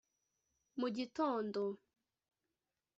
Mu gitondo